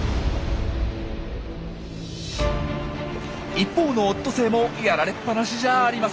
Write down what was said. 一方のオットセイもやられっぱなしじゃありません。